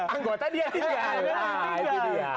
anggota dia pindah